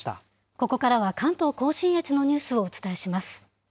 ここからは関東甲信越のニュースをお伝えします。